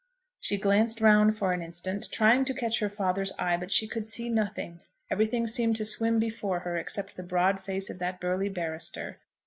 She glanced round for an instant, trying to catch her father's eye; but she could see nothing; everything seemed to swim before her except the broad face of that burly barrister.